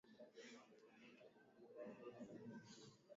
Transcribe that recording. Siwezi kuwa mwenye bidii hapa.